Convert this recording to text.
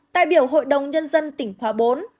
đại biểu hội đồng nhân dân tỉnh khóa bốn